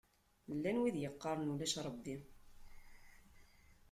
Llan wid yeqqaṛen ulac Ṛebbi.